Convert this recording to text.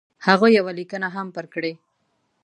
هغه یوه لیکنه هم پر کړې.